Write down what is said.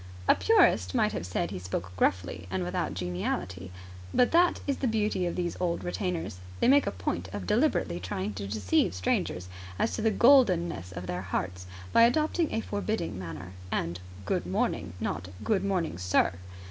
A purist might have said he spoke gruffly and without geniality. But that is the beauty of these old retainers. They make a point of deliberately trying to deceive strangers as to the goldenness of their hearts by adopting a forbidding manner. And "Good morning!" Not "Good morning, sir!"